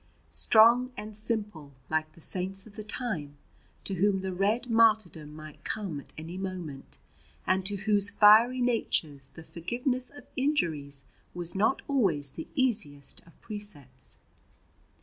Strong and simple, like the saints of the time, to whom the "red martyrdom" might come at any moment, and to whose fiery natures the forgiveness of injuries was not always the easiest of precepts.